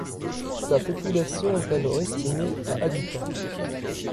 Sa population est alors estimée à habitants.